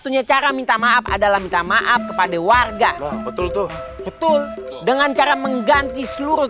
satunya cara minta maaf adalah minta maaf kepada warga betul betul dengan cara mengganti seluruh